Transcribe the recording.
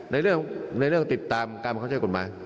ในเรื่องติดตามการบังคับใช้กฎหมาย